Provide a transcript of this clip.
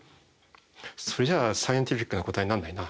それじゃあサイエンティフィックな答えになんないな。